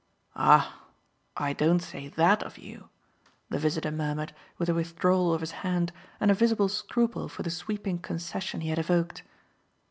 "Ah I don't say THAT of you!" the visitor murmured with a withdrawal of his hand and a visible scruple for the sweeping concession he had evoked.